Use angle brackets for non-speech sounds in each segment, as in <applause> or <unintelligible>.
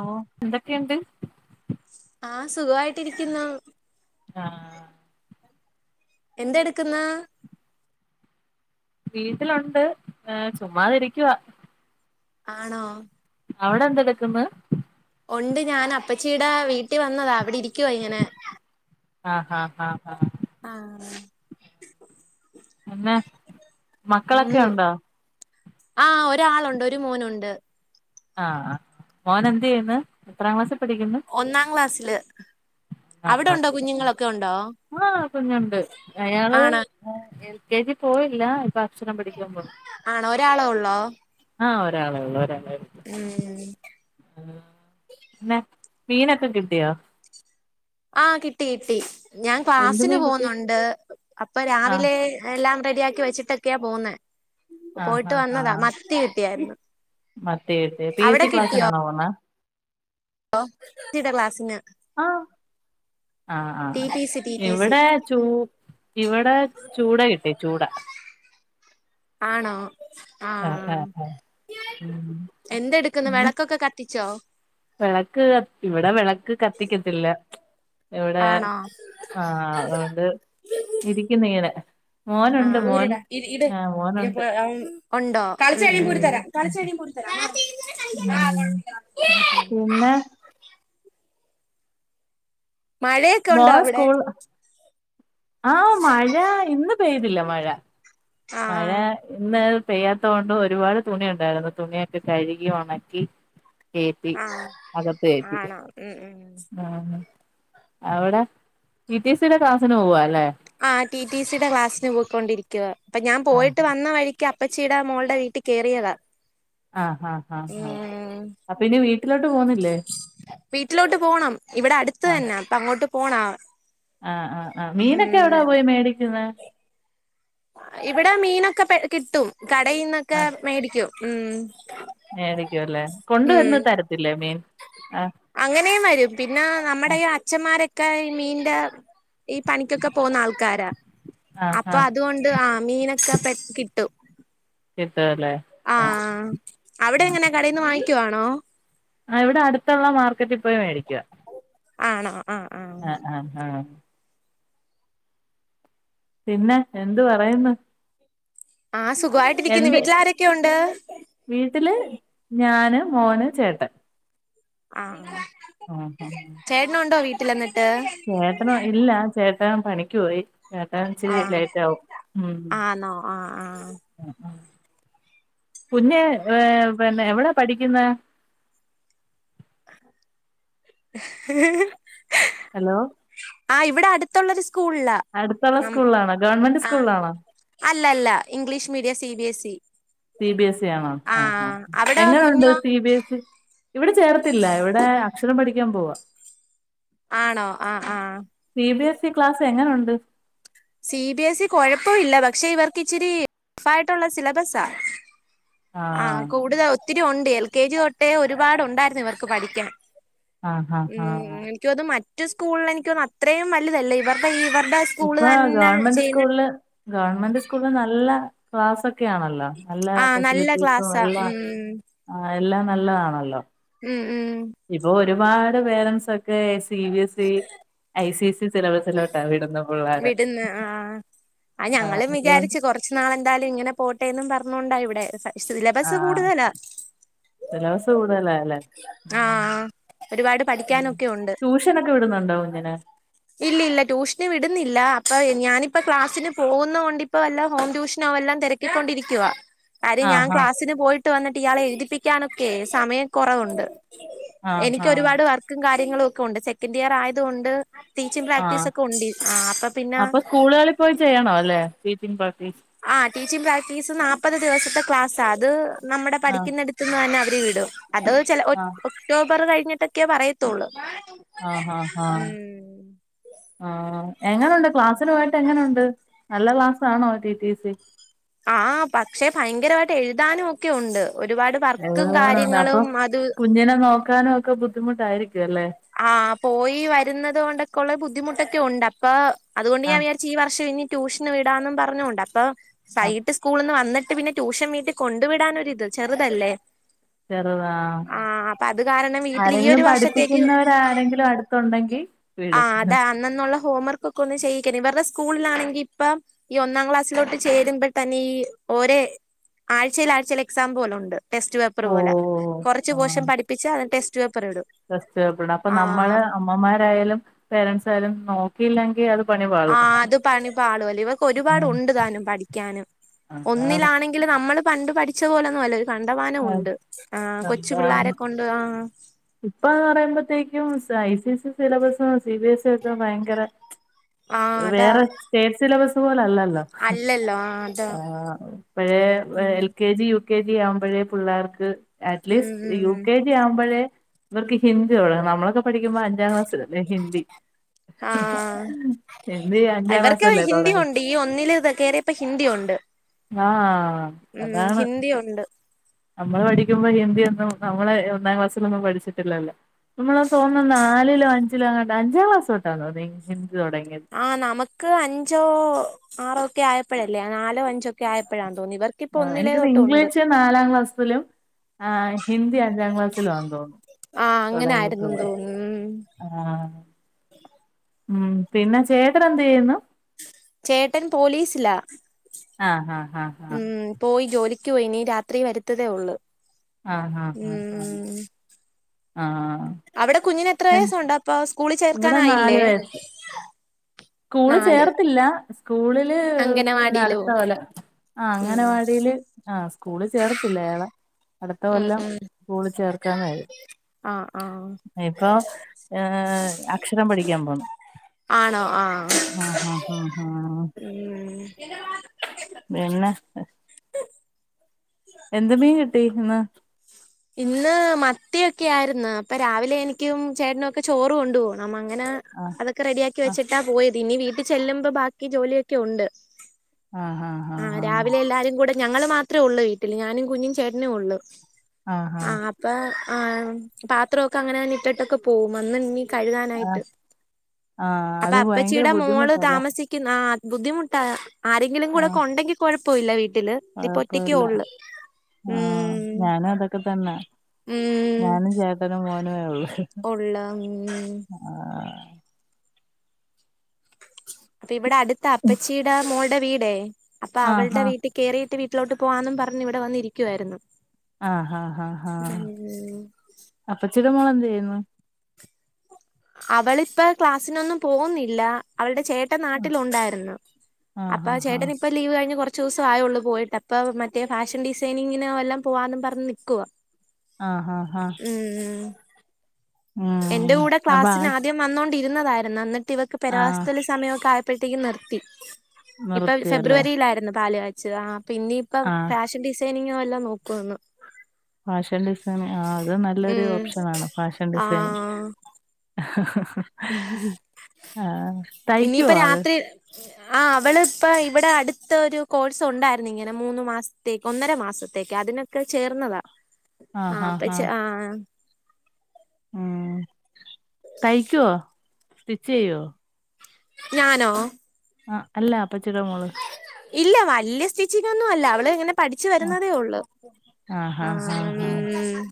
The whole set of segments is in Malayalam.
ആഹ് എന്തെക്കെയ്ണ്ട്. ആഹ് സുഖവായിട്ടിരിക്കുന്നു. ആഹ് എന്തെട്ക്ക്ന്ന് വീട്ടിലൊണ്ട് ഏഹ് ചുമ്മാതിരിക്കുവാ ആണോ അവടന്തെടുക്കുന്ന് ഒണ്ട് ഞാന് അപ്പച്ചീടെ വീട്ടിൽ വന്നതാ അവിടെ ഇരിക്കുവ ഇങ്ങനെ ആഹ് ആഹ് ആഹ് ആഹ് ആഹ് പിന്നെ, ഉം മക്കളൊക്കെയൊണ്ടോ ആഹ് ഒരാളൊണ്ട് ഒരു മോനുണ്ട് ആഹ് ആഹ് മോൻ എന്തെയ്യ്ന്ന് എത്രാം ക്ലാസ്സിൽ പഠിക്ക്ന്ന് ഒന്നാം ക്ലാസ്സില്. ഒന്നാം അവിടെ ഉണ്ടോ ക്ലാസ്സില് ആഹ്. കുഞ്ഞുങ്ങളൊക്കെ ഉണ്ടോ ആഹ് കുഞ്ഞുണ്ട് എയാള് ആണ് എൽ കെ ജി പോയില്ല ഇപ്പൊ അക്ഷരം പഠിക്കാൻ പോണ് ആണോ ഒരാളെ ഒള്ളോ ആഹ് ഒരാളെ ഒള്ളൂ ഒരാളെള്ളൂ ഉം പിന്നെ, മീനൊക്കെ കിട്ടിയോ ആഹ് കിട്ടി കിട്ടി ഞാൻ എന്ത് ക്ലാസിന് മീൻ കിട്ടി പോവുന്നുണ്ട് അപ്പൊ ആഹ് രാവിലെ എല്ലാം റെഡിയാക്കി വെച്ചിട്ടൊക്കെയാ പോവുന്നേ. ആഹ് പോയിട്ട് ആഹ് വന്നതാ ആഹ് മത്തി കിട്ടിയായിരുന്നു. മത്തി കിട്ടി പി എസ് അവിടെ സി ക്ലാസ്സിനാണോ പോന്നേ ഒ <unintelligible> റ്റ് ത ക്ലാസിന് ആഹ് ആഹ് ടി ആഹ് T C T T C ഇവിടെ ചൂ ഇവടെ ചൂട കിട്ടി ചൂട. ആണോ ആഹ് ഉം എന്തെടുക്കുന്ന് വെളക്കൊക്കെ ക ത്തിച്ചോ വെളക്ക് കത് ഇവടെ വെളക്ക് കത്തിക്കത്തില്ല ഇവിടെ ആണോ ആഹ് അതുകൊണ്ട് ഇരിക്കുനിങ്ങനെ ആഹ് മോനുണ്ട് <unintelligible> ഒണ്ടോ ഉം ഉം <unintelligible> ഉം, പിന്നെ. മഴയൊക്കെഉണ്ടോ മോൻ അവ്ടെ സ്കൂൾ ആഹ് മഴ ഇന്ന് പെയ്തില്ല മഴ. മഴ ആഹ് ഇന്ന് ഹ് പെയ്യാത്തോണ്ട് ഒരുപാട് തുണി ഉണ്ടായിരുന്നു തുണിയൊക്കെ കഴുകി ഒണക്കി. പേപ്പി ആഹ് മഴ പേപ്പി ആണോ ഉം ഉം ആഹ് അവിടെ റ്റി റ്റി സി ടെ ക്ലാസിന് പോവല്ലേ ആഹ് ടി ടി സി ടെ ക്ലാസ്സിന് പോക്കൊണ്ടിരിക്കുവ അപ്പൊ ഞാൻ ആഹ് പോയിട്ട് വന്ന വഴിക് യ്ക്ക് അപ്പച്ചീട മോൾട വീട്ടികേറിയതാ. ആഹ് ആഹ് ആഹ് ആഹ് അപ്പൊ ഇനി വീട്ടിലോട്ട് പോന്നില്ലേ വീട്ടിലോട്ട് പോണം ഇവിടെ അടുത്ത് ആഹ് തന്ന അപ്പ അങ്ങോട്ട് പോണം ആഹ് ആഹ് ആഹ് മീനൊക്കെ എവിടാ പോയി മേടിക്കുന്നേ ഇവിടെ മീനൊക്കെ പെ കിട്ടും കടയിൽന്നൊക്കെ ആഹ് മേടിക്കും ഉം മേടിക്കും അല്ലേ ഉം കൊണ്ടുവന്ന് തരത്തില്ലേ മീൻ ആ അങ്ങനെയും വരും പിന്നെ നമ്മുടെ ഈ അച്ഛന്മാരൊക്കെ ഈ മീന്റ ഈ പണിക്കൊക്കെ പോകുന്ന ആൾക്കാരാ ആഹ് അപ്പൊ ആഹ് അതുകൊണ്ട് ആ മീനൊക്കെ പെട് കിട്ടും കിട്ടൂലെ ആഹ് അവിടെ എങ്ങന കടയിൽന്ന് വാങ്ങിക്കുവാണോ ആഹ് ഇവിട അടുത്തുള്ള മാർക്കറ്റിപ്പോയി മേടിക്കും ആണോ ആഹ് ആഹ് ആഹ് പിന്നെ എന്തു പറയുന്നു ആഹ് സുഖമായിട്ടിരിക്കുന്നു എന്ത് വീട്ടിൽ ആരൊക്കെ ഉണ്ട് വീട്ടില് ഞാന് മോന് ചേട്ടൻ ആഹ് ആഹ് അഹ് ഇന്നൊണ്ടോ വീട്ടിൽ അന്നിട്ട്‌ ചേട്ടന ഇല്ല ചേട്ടൻ പണിക്ക് പോയി ഏട്ടൻ ഇച്ചിരി ആഹ് ലേറ്റ് ആകും ഉം ആന്നോ ആഹ് ആഹ് കുഞ്ഞ് ഏ പിന്നെ എവിടാ പഠിക്കുന്നെ <unintelligible> ഹലോ ആഹ് ഇവിടെ അടുത്തുള്ളൊരു സ്കൂളില അടുത്തുള്ള സ്കൂളിലാണോ ഗവൺമെന്റ് സ്കൂളിലാണോ അല്ല അല്ല English medium C B S E C B S C ആണോ ആഹ് ആഹ് അവിടെ എങ്ങനുണ്ട് കുഞ്ഞോ സി ബി എസ് സി ഇവിടെ ചേർത്തില്ല ഇവിടെ അക്ഷരം പഠിക്കാൻ പോവാ ആണോ ആഹ് ആഹ് C B S C class എങ്ങനെയുണ്ട് സി ബി എസ് സി കൊഴപ്പമില്ല പക്ഷെ ഇവർക്ക് ഇച്ചിരി ഫായിട്ടുള്ള സിലബസാ ആ ആഹ് കൂടുത ഒത്തിരിയുണ്ട് എൽ കെ ജി തൊട്ടേ ഒരുപാടുണ്ടായിരുന്നു ഇവർക്ക് പഠിക്കാൻ ആ ആ ആ ഉം എനിക്ക്‌ തോന്നുന്നു മറ്റു സ്കൂളിൽ എനിക്ക്‌തോന്നുന്ന് അത്രയും വലുതല്ല ഇവർട ഇവർട സ്കൂൾ ഇപ്പൊ തന് ഗവൺമെന്റ് സ്കൂളില് ഗവൺമെന്റ് സ്കൂളില് നല്ല ക്ലാസ്സൊക്കെ ആണല്ലോ നല്ല ആഹ് നല്ല ഫെസിലിറ്റീസും ക്ലാസ്സാ നല്ല ഉം ആ എല്ലാം നല്ലതാണല്ലോ ഉം ഉം ഇപ്പൊ ഒരുപാട് പേരൻസ് ഒക്കെ C B S C, I C C സിലബസിലോട്ട വിടുന്നത് വിടുന്ന് ആഹ് ആ, ഞങ്ങളും അതുകൊണ്ട് വിചാരിച്ച് കൊറ ച്ച് നാള് എന്തായാലും ഇങ്ങനെ പോട്ടെ എന്നും പറഞ്ഞോണ്ടാ ഇവിടെ സിലബസ് ആഹ് കൂടുതലാ സിലബസ് കൂടുതലാ അല്ലേ ആഹ് ആഹ് ഒരുപാട് പഠിക്കാനൊക്കെ ഉണ്ട് നൊക്കെ വിടുന്നുണ്ടോ കുഞ്ഞിനെ ഇല്ല ഇല്ല ട്യൂഷന് വിടുന്നില്ല അപ്പൊ ഞാനിപ്പോ ക്ലാസിന് പോകുന്നത് കൊണ്ട് ഇപ്പോ വല്ലോ ഹോം ട്യൂഷനോ വല്ലോം തിരക്കി ക്കി കൊണ്ട് ഇരിക്കുവാ കാര്യം ഞാൻ ആഹാ ക്ലാസ്സിന് പോയിട്ട് വന്നിട്ട് ഇയാളെ എഴുതിപ്പിക്കാനൊക്കെ സമയം കുറവുണ്ട് എനിക്ക് ആഹാ ഒരുപാട് വർക്കും കാര്യങ്ങളും ഒക്കെ ഉണ്ട് സെക്കൻഡ് ഇയർ ആയതുകൊണ്ട് ടീച്ചിങ് ആഹ് ആഹ് പ്രാക്ടീസ് ഒക്കെ ഉണ്ട് ആ അപ്പൊ പിന്ന അപ്പൊ സ്കൂളുകളിൽ പോയി ചെയ്യണൊ അല്ലേ ടീച്ചിങ് പ്രാക്ടീസ്? ആഹ് ടീച്ചിംഗ് പ്രാക്ടീസ് നാപ്പത് ദിവസത്തെ ക്ലാസ്സാ, അത് നമ്മുടെ ആഹ് പഠിക്കുന്നടുത് ത്ത്ന്നന്നെ അവര് വിടും. അത് ചെല ആഹ് ഒക് ഒക്ടോബർ കഴിഞ്ഞിട്ടൊക്കെയാ പറയത്തുള്ളൂ. ആഹ് ഹാ ഹാ ആഹ്. എങ്ങനുണ്ട് ക്ലാസ്സിന് പോയിട്ട് എങ്ങനുണ്ട്? നല്ല ക്ലാസ്സാണോ ടി ടി സി? ആഹ് പക്ഷെ ഭയങ്കരവായിട്ട് എഴുതാനും ഒക്കെയുണ്ട്. ഒരുപാട് വർക്കും എഴുതാനുണ്ട്. അപ്പൊ കാര്യങ്ങളും അത് കുഞ്ഞിനെ നോക്കാനു ഒക്കെ ബുദ്ധിമുട്ടായിരിക്കു അല്ലേ? ആഹ് പോയി വര്ന്നത് കൊണ്ടൊക്കെ ഉള്ള ബുദ്ധിമുട്ടൊക്കെയുണ്ട്. അപ്പോ അതുകൊണ്ട് ഞാൻ ആഹ് വിചാരി ച്ച് ഈ വർഷം ഇനി ട്യൂഷന് വിടാന്നും പറഞ്ഞുകൊണ്ട്. അപ്പൊ ആഹ് വൈകിട്ട് സ്കൂളിന്ന് വന്ന്ട്ട് പിന്നെ ട്യൂഷൻ വീട്ട് കൊണ്ടു വിടാനൊരിത്. ചെറ്തല്ലേ? ചെറ്ത് ആഹ്. അത് കാരണം വീട്ടിൽ ഈ ആരെങ്കിലും ഒരു വർഷത്തേക്ക് പഠിപ്പിക്കുന്നവര് ത്താരെങ്കിലു അടുത്തുണ്ടെങ്കി ആ വിട്. അതാ അന്നന്നുള്ള ഹോംവർക്കൊക്കെ ഒന്ന് ചെയ്യിക്കന്. ഇവരുടെ സ്കൂളിലാണെങ്കി ഇപ്പം ഈ ഒന്നാം ക്ലാസ്സിലോട്ട് ചേരുമ്പത്തന്നെ ഈ ഒരേ ആഴ്ചേല് ആഴ്ചേല് എക്സാം പോലുണ്ട്. ടെസ്റ്റ് പേപ്പറ് പോലെ. ഓഹ് കൊറച്ച് പോർഷൻ പഠിപ്പിച്ചാ അത് ടെസ്റ്റ് പേപ്പർ ഇടും. ടെസ്റ്റ്‌ പേപ്പറിടും. അപ്പൊ ആ നമ്മള് അമ്മമാരായാലും പേരന്റ്സ് ആയാലും നോക്കിയില്ലെങ്കി അത് പണി പാളും ആഹ് അത് പണി പാളു അല്ലെ. ഇവക്ക് ഒരുപാട് ഉണ്ട് താനും പഠിക്കാനും. അതാണ് ഒന്നിലാണെ ങ്കില് നമ്മള് പണ്ട് പഠിച്ച പോലൊന്നു അല്ല. ഇത് കണ്ടമാനം ഉണ്ട്. ആഹ്. കൊച്ചു എന്താണ് പിള്ളാരെക്കൊണ്ട് ആഹ്. ഇപ്പന്ന് പറയുമ്പോത്തേക്കും ഐ സി സി സിലബസും സി ബി എസ് സി ഒക്കെ ഭയങ്കര ആ അതാ വേറെ സ്റ്റേറ്റ് സിലബസ് പോല അല്ലല്ലോ. അല്ലല്ലോ. ആഹ് അതെ. ആഹ് ഇപ്പഴേ L K G, U K G ആവുമ്പോഴേ പിള്ളേർക്ക് ഉം അറ്റ്ലീസ്റ്റ് യു ഉം കെ ജി ആവുമ്പഴേ ഇവർക്ക് ഹിന്ദി തൊടങ്ങു. നമ്മളൊക്കെ പഠിക്കുമ്പോ അഞ്ചാം ക്ലാസ്സില്. പിന്നെ ഹിന്ദി. ആ ഹിന്ദി അഞ്ചാം ഇവർക്ക് ക്ലാസ്സല്ലേ ഹിന്ദി തൊടങ്ങ് ഉണ്ട് ഈ ഒന്നില് ഇത് കേറിയപ്പൊ ഹിന്ദിയുണ്ട്. ആഹ് ഉം അതാണ് ഹിന്ദിയുണ്ട്. നമ്മള് പഠിക്കുമ്പോ ഹിന്ദി ഒന്നും നമ്മളെ ഒന്നാം ക്ലാസ്സിലൊന്നും പഠിച്ചിട്ടില്ലല്ലോ. നമ്മള് തോന്ന് നാലിലോ അഞ്ചിലോ എങ്ങാണ്ട്. അഞ്ചാം ക്ലാസ് തൊട്ടാന്നോ ഹിന്ദി തൊടങ്ങിയത്. ആഹ് നമക്ക് അഞ്ചോ ആറോ ഒക്കെ ആയപ്പോഴല്ലേ? നാലോ അഞ്ചോ ഒക്കെ ആയപ്പോഴാന്ന് തോന്നുന്നു ഇവർക്കിപ്പോ ആഹ് ഒന്നിലേ എനിക്കോന്നേ തൊട്ട് ഉണ്ട് ഇംഗ്ലീഷ് നാലാം ക്ലാസ്സിലും ആഹ് ഹിന്ദി അഞ്ചാം ക്ലാസ്സിലും ആന്ന് തോന്നുന്നു ആ അങ്ങനെ ആയിരുന്നെന്ന് തൊടങ്ങിയിട്ടുള്ളത്. തോന്നുന്നു ഉം ആഹ്. ഉം പിന്നെ ചേട്ടന് എന്ത് ചെയ്യുന്നു? ചേട്ടൻ പോലീസിലാ. ആഹ് ഹാ ഹാ ഹാ. ഉം പോയി ജോലിക്ക് പോയി. ഇനി രാത്രി വര്ത്തതേ ഉള്ളൂ. ആഹ് ആഹ് ആഹ് ആഹ് ഉം. ആഹ്. അവ്ടെ കുഞ്ഞിന് എത്ര തന്നെ വയസ്സുണ്ട് അപ്പൊ? സ്കൂളിൽ ഇവിടെ നാല് ചേർക്കാനായില്ലേ? വയസ്സ് സ്കൂള് നാല് ചേർത്തില്ല. സ്കൂളില് പിന്നെ അംഗനവാടിയില് അട്ത്ത പോവും കൊല്ലം. ആഹ് ഉം അങ്ങനവാടിയില്. ആഹ് സ്കൂളി ചേർത്തില്ല അയാളെ. അടുത്ത ഉം കൊല്ലം ഉം സ്കൂളി ചേർക്കാന്നായിരുന്നു. ആ ആ ഇപ്പൊ ഈഹ് അക്ഷരം പഠിക്കാൻ പോന്നു. ആണോ? ആഹ്. ആഹ് ഹാ ഹാ ഹാ. <unintelligible> പിന്നെ? എന്ത് മീൻ കിട്ടി ഇന്ന്? ഇന്ന് മത്തിയൊക്കെ ആയിരുന്നു. അപ്പൊ രാവിലെ എനിക്കും ചേട്ടനും ഒക്കെ ചോറ് കൊണ്ടു പോണം. അങ്ങനെ. ആഹ് അതൊക്കെ റെഡിയാക്കി വെച്ചിട്ടാ പോയത്. ഇനി വീട്ടിൽ ചെല്ലുമ്പോ ബാക്കി ജോലിയൊക്കെ ഉണ്ട്. ആഹ് രാവിലെ എല്ലാരും കൂടെ, ഞങ്ങള് മാത്രേ ഉള്ളൂ വീട്ടില്. ഞാനും കുഞ്ഞും ചേട്ടനെ ഉള്ളു. ആഹ് ഹാ. ആഹ് ആഹ്. പാത്രൊക്കെ അങ്ങനെ തന്നെ ഇട്ടിട്ടൊക്കെ പോവും. വന്ന് ഇനി ആഹ് കഴുകാനായിട്ട് ആഹ് അപ്പം അത് ഭയങ്കര അപ്പച്ചിടെ മോള് ബുദ്ധിമുട്ടല്ലേ താമസി ക്കുന്ന ആ ബുദ്ധിമുട്ടാ ആരെങ്കിലും കൂടെ ഒക്കെ ആഹ് ഉണ്ടെങ്കിൽ കൊഴപ്പമില്ല വീട്ടില്. ഇതിപ്പൊറ്റക്കെ കൊഴപ്പമില്ല ഉള്ളു ഉം. ഒക്കെ തന്നെ. ഉം. ഞാനും ചേട്ടനും മോനുമേ ഉള്ളൂ ഉള്ള ഉം അപ്പൊ ഇവിടെ അടുത്ത അപ്പച്ചീടെ മോളുടെ വീടേ അപ്പൊ ആഹ് ആഹ് അവളുടെ വീട് ട്ട്കയറിയിട്ട് വീട്ടിലോട്ട് പോവാന്നും പറഞ്ഞു ഇവിടെ വന്നിരിക്കുവായിരുന്നു ആ ഹാ ഹാ ഹാ അപ്പച്ചിട മോള എന്ത് ചെയ്യുന്നു അവളിപ്പ ക്ലാസ്സിനൊന്നും പോകുന്നില്ല അവളുടെ ചേട്ട ട്ടൻ നാട്ടിൽ ഉണ്ടായിരുന്നു ആഹ് അപ്പൊ ആ ആഹ് ചേട്ടനി ഇപ്പ ലീവ് കഴിഞ്ഞ് കൊറച്ചൂസആയോള്ളൂ പോയിട്ട് പ്പോ മറ്റേ ഫാഷൻ ഡിസൈനിങ്ങിന് വല്ലാം പോവാന്ന് പറഞ്ഞു നിൽക്കുവ ആ ഹ ഹ ഹ ഉം ഉം എന്റെ കൂടെ അപ്പൊ ക്ലാസ്സിന് ആദ്യം വന്നോണ്ടിരുന്നതായിരുന്നു എന്നിട്ട് ഇവ ക്ക് ആഹ് പെരവസ്തൂലി സമയോക്കെ ആയപ്പോഴത്തേക്കും നിർത്തി ഇപ്പൊ നിർത്തിയല്ലേ ഫെബ്രുവരിയിലായിരുന്നു പാലുകാ ച്ച് ആ പിന്നെ ഇപ്പൊ ആഹ് ഫാഷൻ ഡിസൈനിങ്ങൊ വല്ലോം നോക്കുന്ന് ഫാഷൻ ഡിസൈനിങ് ആ അത് നല്ലൊരു ഉം ഓപ്ഷൻ ആണ് ഫാഷൻ ഡിസൈനിങ് ആഹ് <unintelligible> <inaudible> അ ആ തയ്ക്കുവോ ഇനിയിപ്പ ആള് രാത്രി <inaudible> ആ അവള് ഇപ്പ ഇവിടെ അടുത്ത ഒരു കോഴ്സ് ഉണ്ടായിരുന്നു ഇങ്ങനെ മൂന്ന് മാസത്തേക്ക് ഒന്നര മാസത്തേക്ക് അതിന് ക്കെ ചേർന്നതാ ആ ഹാ ഹാ അപ്പച് ആ ഉം തയ്ക്കോ സ്റ്റിച്ച് ചെയ്യോ ഞാനോ ആ അല്ല അപ്പച്ചിട മോള് ഇല്ല വല്ല്യ സ്റ്റിച്ചിങ്‌ഒന്നും അല്ല അവള് ഇങ്ങനെ പഠിച്ചു ആ വരുന്നതേ ഉള്ളു ഹാ ആ ഹാ മ് ഹാ മ്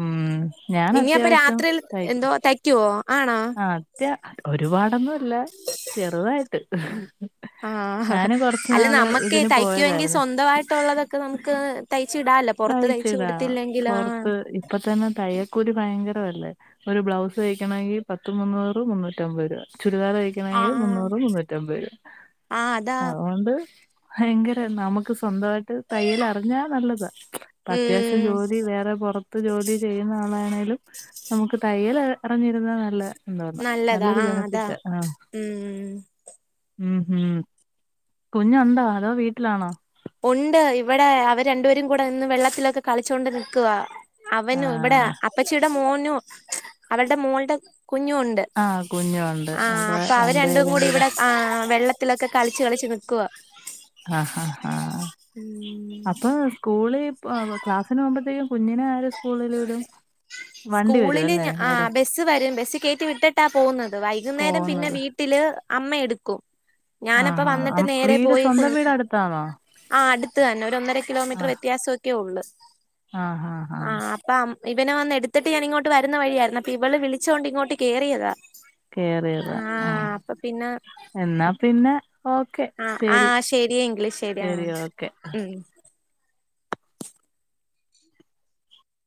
ഉം ഞാൻ ഇനി അപ്പൊ അത്യാവശ്യം രാത്രിയിൽ തയ്ക്കും എന്തോ തയ്ക്കുവോ ആണോ ആ അത്യാ ഒരുപാടൊന്നുംല്ല ചെറുതായിട്ട് ആഹ് ഹ് ഞാന് കൊറച്ച് അല്ല നാള് നമ്മക്ക് ഇതിന് തയ്ക്കുെങ്കിൽ പോയതായിരുന്നു സ്വന്തമായിട്ടുള്ളതൊക്കെ നമുക്ക് തയ്ച് ഇടാലോ പൊറത്തു തയ്ച്ചു കൊടുത്തില്ലെങ്കിൽ ആഹ് ഇപ്പൊ തന്നെ തയ്യൽക്കൂലി ഭയങ്കരമല്ലേ ഒരു ബ്ലൗസ് തയ്ക്കണെങ്കിൽ പത്ത് മുന്നൂറ് മുന്നൂറ്റ അമ്പത് രൂപ ചുരിദാറ <unintelligible> ആഹ് മുന്നൂറ് മുന്നൂറ്റിമ്പരു ആഹ് അതാ അതുകൊണ്ട് ഭയങ്കര നമുക്ക് സ്വന്തായിട്ട് തയ്യൽ അറിഞ്ഞാ നല്ലതാ പ്പൊ അത്യാവശ്യം ഉം ജോലി വേറെ പൊറ ത്ത് ജോലി ചെയ്യുന്ന ആളാണേലും നമുക്ക് തയ്യൽ അറിഞ്ഞിരുന്ന നല്ല <unintelligible> നല്ലതാ നല്ലൊരു ആ അതാ ബെനഫിറ്റ് ആ ഉം ഉം ഹും കുഞ്ഞു ഉണ്ടോ അതോ വീട്ടിലാണോ ഉണ്ട് ഇവിടെ അവര് രണ്ടുപേരും കൂടെ ഇന്ന് വെള്ളത്തിലൊക്കെ കളിച്ചൊണ്ട് നിൽക്കുവ അവനും ഇവിടെ ആഹ് അപ്പച്ചിയടെ മോനും അവരുടെ മോളുടെ കുഞ്ഞു ഉണ്ട് ആ കുഞ്ഞു ഉണ്ട് അപ്പൊ രണ്ട് പേരും കൂടെ അ ആ വെള്ളത്തിലൊക്കെ കളിച്ച് കളിച്ച് നിക്കുവ അ ഹ ഹ ഹ ഉം അപ്പൊ സ്കൂളിൾ പ്പ ക്ലാസ്സിന് പോമ്പത്തേക്കും കുഞ്ഞിനെ ആര് സ്കൂളിൽ വിടും വണ്ടി വരും സ്കൂളില് അല്ലേ ആ നേരെ ബസ്സ് വരും ബസ്സ് കയറ്റി വിട്ടിട്ടാ പോകുന്നത് വൈകുന്നേരം പിന്നെ പോകുന്നത് വീ ട്ടില് അമ്മ എടുക്കും ഞാനപ്പ ആഹാ വന്നിട്ട് അം- നേരെ വീട് പോയി കു സ്വന്തം വീട് അടുത്താണോ ആഹ് അടുത്ത് തന്നെ ഒര് ഒന്നര കിലോമീറ്റർ ആ വ്യത്യാസ ഒക്കെയെള്ളു ആഹ് ഹാ ഹാ അപ്പം ഇവെ വന്ന എടുത്തിട്ട് ഞാന് ഇങ്ങോട്ട് വരുന്ന വഴിയായിരുന്നു അപ്പൊ ഇവള് വിളിച്ചുണ്ട് ഇങ്ങോട്ട്യറിയതാ കേറിയതാ ആഹ് പിന്നെ എന്നാ പിന്നെ ഓ ക്കെ ആഹ് ശരി ആഹ് ശരിയെങ്കില് ആഹ് ശരി ഓക്കെ ഉം